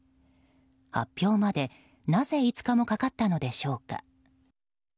発表まで、なぜ５日もかかったのでしょうか。